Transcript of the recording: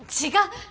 違う。